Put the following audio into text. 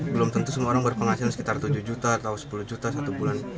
belum tentu semua orang berpenghasilan sekitar tujuh juta atau sepuluh juta satu bulan